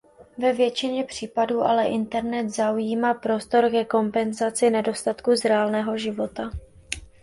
Ve většině případů ale internet zaujímá prostor ke kompenzaci nedostatků z reálného života.